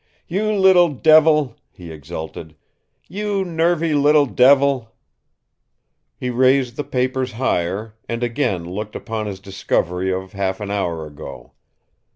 "You little devil!" he exulted. "You nervy little devil!" He raised the papers higher, and again looked upon his discovery of half an hour ago.